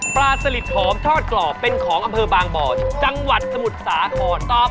สลิดหอมทอดกรอบเป็นของอำเภอบางบ่อจังหวัดสมุทรสาครตอบ